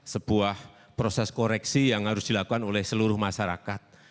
sebuah proses koreksi yang harus dilakukan oleh seluruh masyarakat